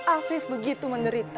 afif begitu menderita